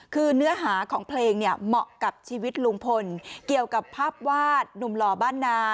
คือเนื้อหาของเพลงเนี่ยเหมาะกับชีวิตลุงพลเกี่ยวกับภาพวาดหนุ่มหล่อบ้านนา